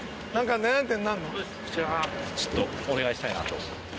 こちらちょっとお願いしたいなと。